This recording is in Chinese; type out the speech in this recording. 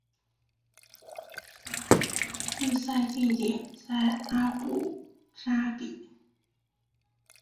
比赛地点在阿布扎比。